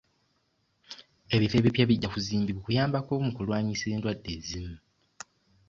Ebifo ebipya bijja kuzimbibwa okuyambako mu kulwanyisa endwadde ezimu.